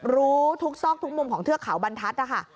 รู้ทุกซอกทุกมุมของเทือกเขาบรรทัศน์นะคะ